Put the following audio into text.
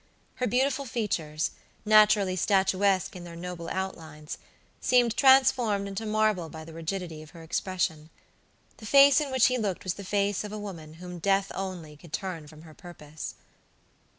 Her beautiful features, naturally statuesque in their noble outlines, seemed transformed into marble by the rigidity of her expression. The face in which he looked was the face of a woman whom death only could turn from her purpose.